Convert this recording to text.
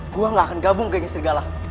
gue gak akan gabung ke ngestrigala